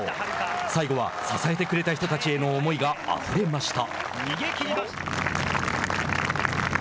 最後は支えてくれた人たちへの思いがあふれました。